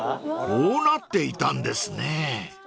［こうなっていたんですね］